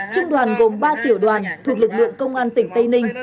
trung đoàn gồm ba tiểu đoàn thuộc lực lượng công an tỉnh tây ninh